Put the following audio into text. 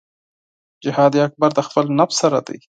جهاد اکبر د خپل نفس سره دی .